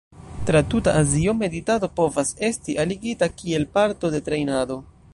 Tra tuta Azio, meditado povas esti aligita kiel parto de trejnado.